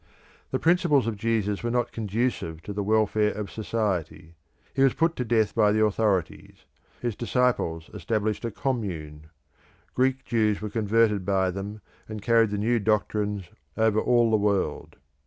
The principles of Jesus were not conducive to the welfare of society; he was put to death by the authorities; his disciples established a commune; Greek Jews were converted by them, and carried the new doctrines over all the world.